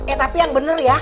eh tapi yang bener ya